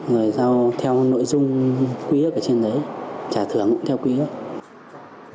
rồi theo nội dung quý ước ở trên đấy trả thưởng cũng theo quý ước